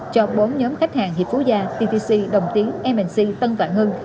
cho bốn nhóm khách hàng hiệp phú gia ttc đồng tiến mnc tân vạn hưng